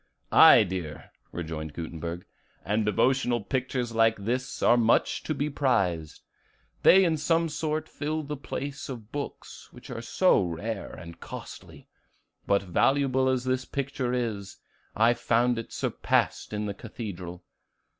"Aye, dear," rejoined Gutenberg, "and devotional pictures like this are much to be prized; they in some sort fill the place of books, which are so rare and costly. But valuable as this picture is, I found it surpassed in the Cathedral.